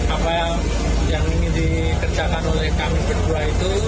apa yang ingin dikerjakan oleh kami berdua itu